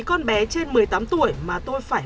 con bé trên một mươi tám tuổi mà tôi phải